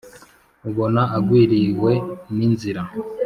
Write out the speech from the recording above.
Ubona agwiriwe n’inzira,